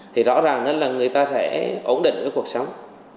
thì rõ ràng là người ta sẽ ổn định cái cuộc sống